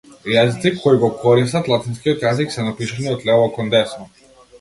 Јазици кои го користат латинскиот јазик се напишани од лево кон десно.